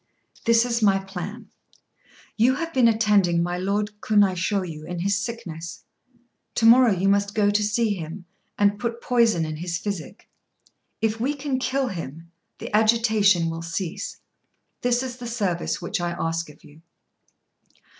"This is my plan. You have been attending my Lord Kunaishôyu in his sickness; to morrow you must go to see him, and put poison in his physic. If we can kill him, the agitation will cease. This is the service which I ask of you."